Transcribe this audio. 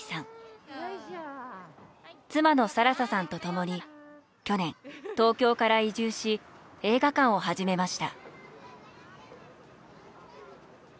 妻の更沙さんと共に去年東京から移住し映画館を始めました。